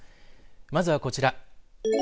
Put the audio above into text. まずは、こちら。